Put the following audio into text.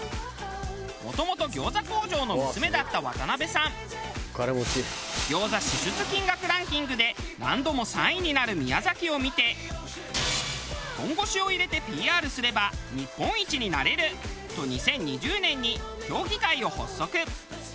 もともと餃子支出金額ランキングで何度も３位になる宮崎を見て本腰を入れてＰＲすれば日本一になれると２０２０年に協議会を発足。